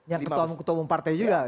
yang ketua ketua umum partai juga